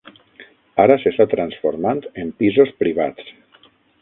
Ara s'està transformant en pisos privats.